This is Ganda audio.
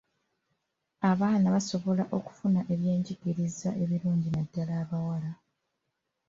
Abaana basobola okufuna ebyenjigiriza ebirungi naddala abawala.